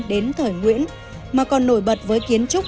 đến thời nguyễn mà còn nổi bật với kiến trúc